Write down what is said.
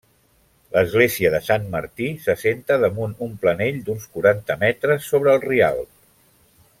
L'església de Sant Martí s'assenta damunt un planell d'uns quaranta metres sobre el Rialb.